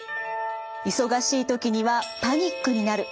忙しい時にはパニックになる。